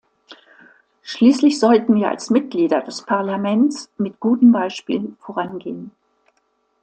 Schließlich sollten wir als Mitglieder des Parlaments mit gutem Beispiel vorangehen.